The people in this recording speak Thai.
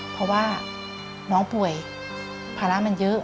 เพราะว่าน้องป่วยภาระมันเยอะ